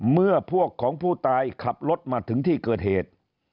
เมื่อพวกของผู้ตายขับรถมาถึงที่เกิดเหตุ